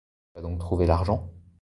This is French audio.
Tu as donc trouvé l'argent?».